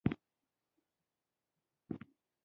دا انقلاب کرنې ته د ورتګ یوه برخلیک ټاکونکې پروسه وه